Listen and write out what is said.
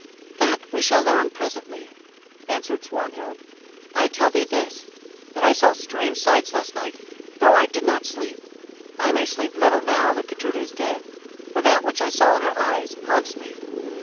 "That we shall learn presently," answered Swanhild. "I tell thee this, that I saw strange sights last night, though I did not sleep. I may sleep little now that Gudruda is dead, for that which I saw in her eyes haunts me."